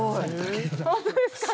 ホントですか？